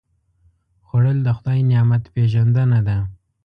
خوړل د خدای نعمت پېژندنه ده